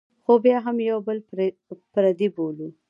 خو بیا هم یو بل پردي بولو.